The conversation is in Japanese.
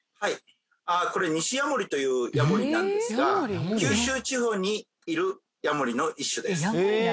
これニシヤモリというヤモリなんですが九州地方にいるヤモリの一種です。